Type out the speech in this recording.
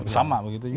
sama begitu juga